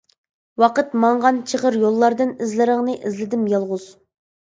ۋاقىت ماڭغان چىغىر يوللاردىن، ئىزلىرىڭنى ئىزلىدىم يالغۇز.